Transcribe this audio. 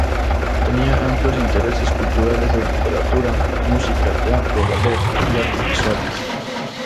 Tenía amplios intereses culturales de literatura, música, teatro, ballet y artes visuales.